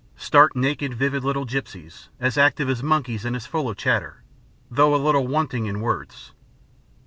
Stark naked vivid little gipsies, as active as monkeys and as full of chatter, though a little wanting in words.